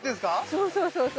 そうそうそうそう。